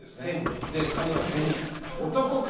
カネは「銭」ですね。